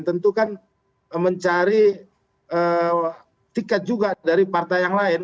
tentu kan mencari tiket juga dari partai yang lain